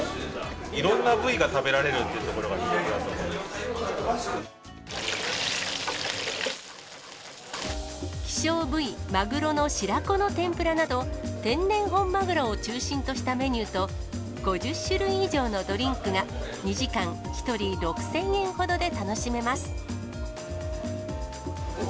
いろんな部位が食べられるっ希少部位、マグロの白子の天ぷらなど、天然本マグロを中心としたメニューと、５０種類以上のドリンクが、２時間１人６０００円ほどで楽しめます。